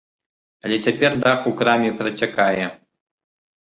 Але цяпер дах у краме працякае.